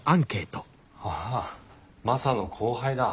ああマサの後輩だ。